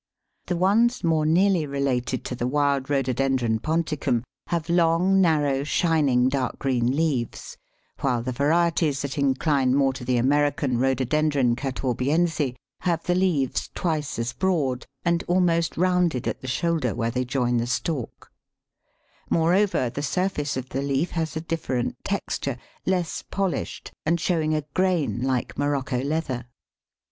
The ones more nearly related to the wild R. ponticum have long, narrow, shining dark green leaves, while the varieties that incline more to the American R. catawbiense have the leaves twice as broad, and almost rounded at the shoulder where they join the stalk; moreover, the surface of the leaf has a different texture, less polished, and showing a grain like morocco leather.